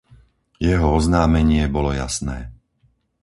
Jeho oznámenie bolo jasné.